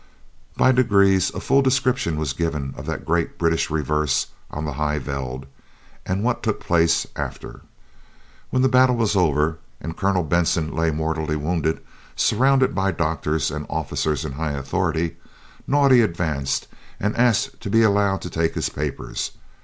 By degrees a full description was given of that great British reverse on the High Veld and what took place after. When the battle was over and Colonel Benson lay mortally wounded, surrounded by doctors and officers in high authority, Naudé advanced, and asked to be allowed to take his papers.